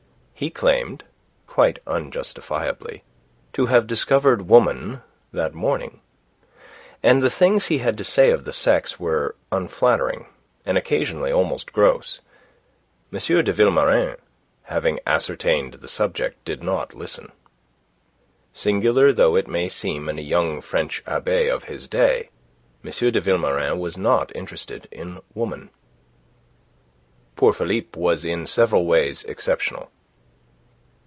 He claimed quite unjustifiably to have discovered Woman that morning; and the things he had to say of the sex were unflattering, and occasionally almost gross. M. de Vilmorin, having ascertained the subject, did not listen. Singular though it may seem in a young French abbe of his day, M. de Vilmorin was not interested in Woman. Poor Philippe was in several ways exceptional.